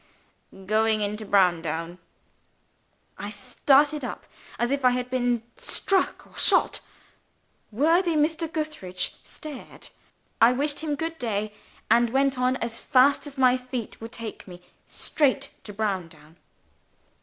"Going into Browndown." I started up, as if I had been struck or shot. Worthy Mr. Gootheridge stared. I wished him good day, and went on as fast as my feet would take me, straight to Browndown.